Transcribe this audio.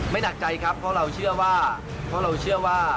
ไม่หนักใจครับเพราะเราเชื่อว่า